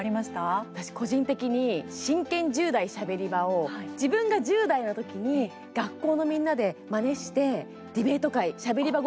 私、個人的に「真剣１０代しゃべり場」を自分が１０代のときに学校のみんなでまねしてディベート会「しゃべり場」